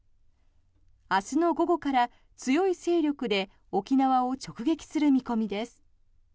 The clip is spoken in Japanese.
明日の午後から強い勢力で沖縄を直撃する見込みです。